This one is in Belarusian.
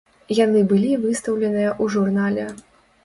Яны былі выстаўленыя у журнале.